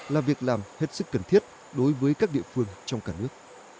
là việc làm hết sức cần thiết đối với các địa phương trong cả nước